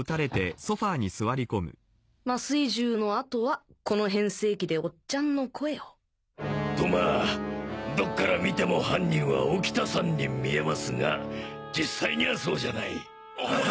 麻酔銃のあとはこの変声機でおっちゃんの声をとまあどっから見ても犯人は沖田さんに見えますが実際にはそうじゃない。え！？